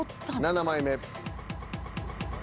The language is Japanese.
７枚目。